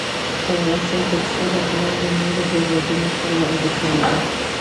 افغانستان د پسه له پلوه له نورو هېوادونو سره اړیکې لري.